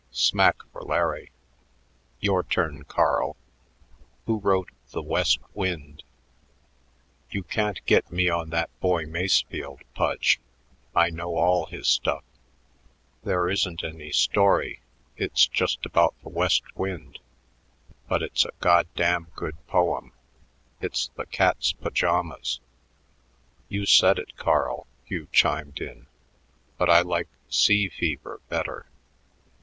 "Smack for Larry. Your turn, Carl. Who wrote 'The West Wind'?" "You can't get me on that boy Masefield, Pudge. I know all his stuff. There isn't any story; it's just about the west wind, but it's a goddamn good poem. It's the cat's pajamas." "You said it, Carl," Hugh chimed in, "but I like 'Sea Fever' better.